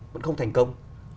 vẫn không thành công